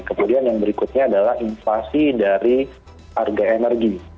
kemudian yang berikutnya adalah inflasi dari harga energi